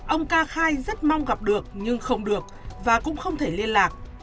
ông ca khai rất mong gặp được nhưng không được và cũng không thể liên lạc